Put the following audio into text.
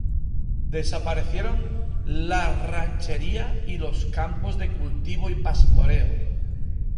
Desaparecieron la ranchería y los campos de cultivo y pastoreo.